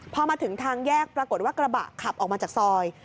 พอมาถึงทางแยกปรากฏว่ากระบะขับออกมาจากซอย